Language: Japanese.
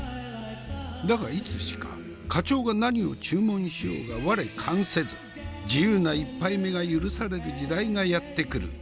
だがいつしか課長が何を注文しようが我関せず自由な１杯目が許される時代がやって来る。